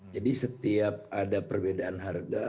jadi setiap ada perbedaan harga